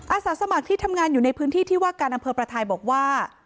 อาสาสมัครที่ทำงานอยู่ในพื้นที่ที่ว่าการอำเภอประทายบอกว่า